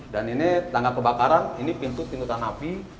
dan ini tangga kebakaran ini pintu pintu tanah api